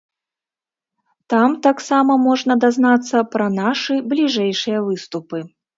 Там таксама можна дазнацца пра нашы бліжэйшыя выступы.